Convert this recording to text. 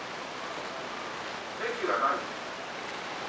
駅がないよ。